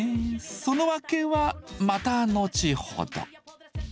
その訳はまた後ほど。